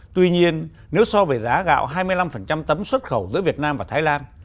tuy nhiên nếu so với giá gạo hai mươi năm tấm xuất khẩu giữa việt nam và thái lan